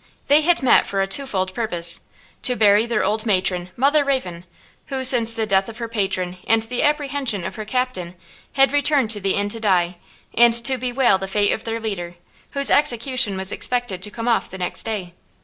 They had met for a twofold purpose–to bury their old matron, Mother Raven, who, since the death of her patron and the apprehension of her captain, had returned to the inn to die–and to bewail the fate of their leader, whose execution was expected to come off the next day.